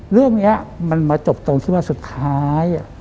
เรื่องนี้มันมาจบตรงที่ว่าสุดท้าย